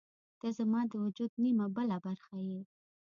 • ته زما د وجود نیمه بله برخه یې.